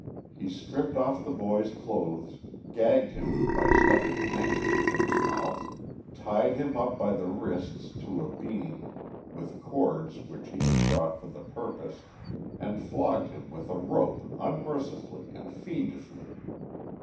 He stripped off the boy's clothes, gagged him by stuffing a handkerchief in his mouth, tied him up by the wrists to a beam, with cords which he had brought for the purpose, and Hogged him with a rope unmercifully and fiendishly.